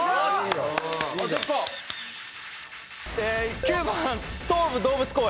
９番東武動物公園。